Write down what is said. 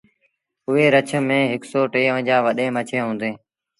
اُئي رڇ ميݩ هڪ سئو ٽيونجھآ وڏيݩٚ مڇيٚنٚ هُنٚدينٚ